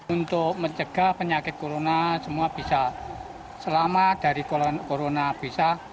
untuk mencegah penyakit corona semua bisa selamat dari corona bisa